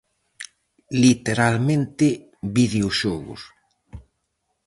Literalmente videoxogos.